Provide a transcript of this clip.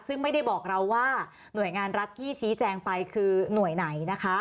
ซึ่งไม่ได้บอกเราว่าหน่วยงานรัฐที่ชี้แจงไปคือหน่วยไหนนะคะ